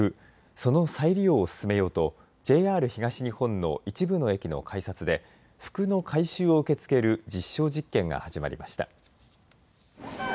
その再利用を進めようとＪＲ東日本の一部の駅の改札で服の回収を受け付ける実証実験が始まりました。